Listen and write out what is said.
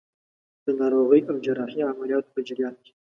د ناروغۍ او جراحي عملیاتو په جریان کې.